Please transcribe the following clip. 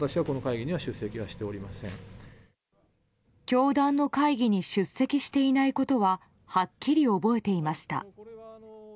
教団の会議に出席していないことははっきり覚えていました。